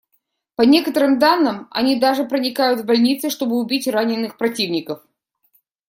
По некоторым данным, они даже проникают в больницы, чтобы убить раненых противников.